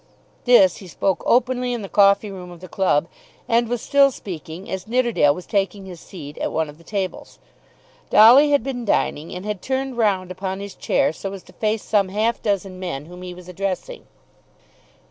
This he spoke openly in the coffee room of the club, and was still speaking as Nidderdale was taking his seat at one of the tables. Dolly had been dining, and had turned round upon his chair so as to face some half dozen men whom he was addressing.